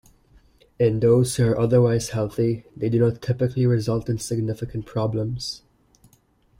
In those who are otherwise healthy they do not typically result in significant problems.